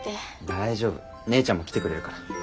大丈夫姉ちゃんも来てくれるから。